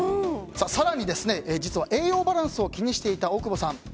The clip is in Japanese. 更に、実は栄養バランスを気にしていた大久保さん。